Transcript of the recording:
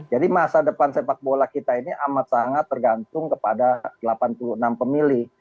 jadi masa depan sepak bola kita ini amat sangat tergantung kepada delapan puluh enam pemilih